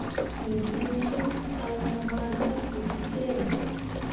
Me lii sum alkamari kah cuu tekere.